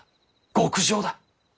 極上だ。